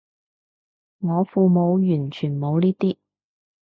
我父母完全冇呢啲